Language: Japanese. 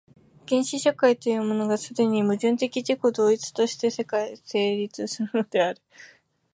原始社会というものが、既に矛盾的自己同一として成立するのである。